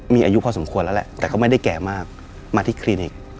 มีอายุพอสมควรแล้วแหละแต่ก็ไม่ได้แก่มากมาที่คลินิก